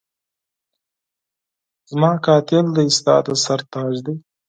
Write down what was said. زما قاتل دی ستا د سر تاج دی